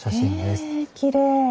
へえきれい。